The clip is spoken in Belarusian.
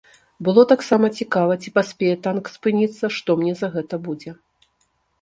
Было таксама цікава, ці паспее танк спыніцца, што мне за гэта будзе?